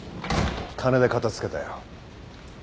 金で片付けたよ。